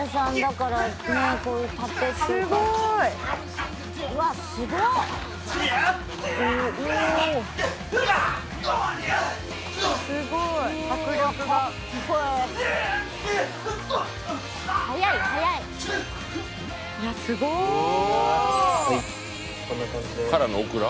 「からのオクラ？」